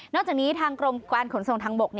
จากนี้ทางกรมการขนส่งทางบก